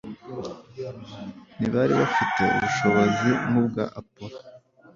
Ntibari bafite ubushobozi nk’ubwa Apolo;